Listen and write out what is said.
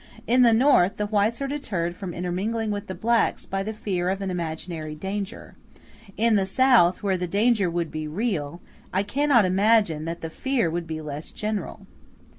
In the North, the whites are deterred from intermingling with the blacks by the fear of an imaginary danger; in the South, where the danger would be real, I cannot imagine that the fear would be less general.